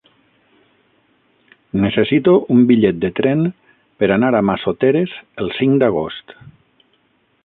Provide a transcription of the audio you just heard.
Necessito un bitllet de tren per anar a Massoteres el cinc d'agost.